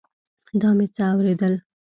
دا مې څه اورېدل.